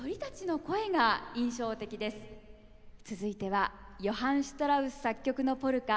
続いてはヨハン・シュトラウス作曲のポルカ